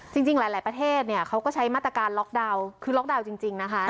จริงหลายประเทศเนี่ยเขาก็ใช้มาตรการล็อกดาวน์คือล็อกดาวน์จริงนะคะ